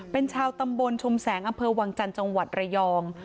เป็นชาวตำบลชุมแสงอำเภอวังจันทร์จังหวัดระยอง